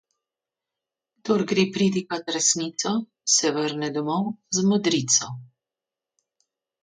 Kdor gre pridigat resnico, se vrne domov z modrico.